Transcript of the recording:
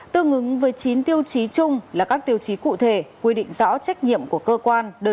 tương ứng với chín tiêu chí chung là các tiêu chí cụ thể quy định rõ trách nhiệm của cơ quan